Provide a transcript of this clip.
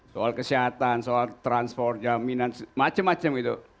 soal kesehatan soal transport jaminan macam macam itu